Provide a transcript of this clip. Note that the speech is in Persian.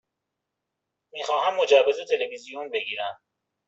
می خواهم مجوز تلویزیون بگیرم.